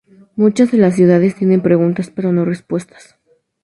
Muchas de las ciudades tienen preguntas pero no respuestas.